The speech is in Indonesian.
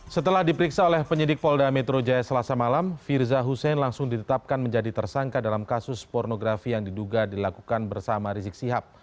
setelah diperiksa oleh penyidik polda metro jaya selasa malam firza hussein langsung ditetapkan menjadi tersangka dalam kasus pornografi yang diduga dilakukan bersama rizik sihab